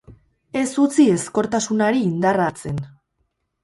Ez utzi ezkortasunaru indarra hartzen.